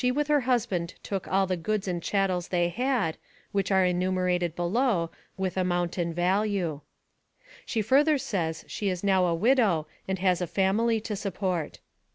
with her husband took all the goods and chatties they had, which are enumerated below, with amount and value. She further says she is now a widow and has a family to support.